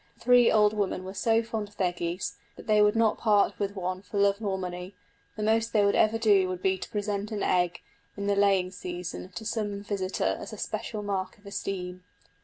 The three old women were so fond of their geese that they would not part with one for love or money; the most they would ever do would be to present an egg, in the laying season, to some visitor as a special mark of esteem.